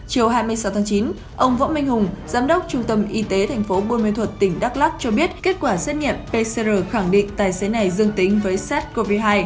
chiều hai mươi sáu tháng chín ông võ minh hùng giám đốc trung tâm y tế tp buôn mê thuật tỉnh đắk lắc cho biết kết quả xét nghiệm pcr khẳng định tài xế này dương tính với sars cov hai